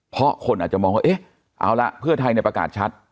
เพราะคนอาจจะมองว่าเอ๊ะเอาละเพื่อไทยในประกาศชัด